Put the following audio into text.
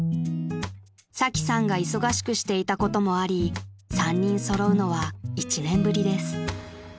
［サキさんが忙しくしていたこともあり３人揃うのは１年ぶりです］